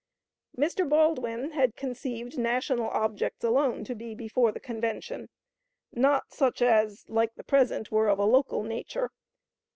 " "Mr. Baldwin had conceived national objects alone to be before the Convention: not such as, like the present, were of a local nature.